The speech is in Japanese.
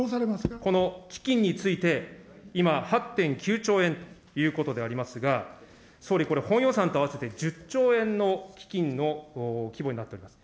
この基金について、今、８．９兆円ということでありますが、総理、これ、本予算と合わせて１０兆円の基金の規模になっております。